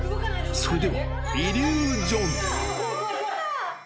それでは、イリュージョン。